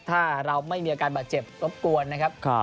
ถ้าเราไม่มีอาการบาดเจ็บรบกวนนะครับ